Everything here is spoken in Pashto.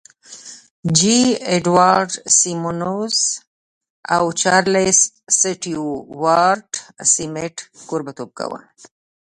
جې اډوارډ سیمونز او چارلیس سټیوارټ سمیت کوربهتوب کاوه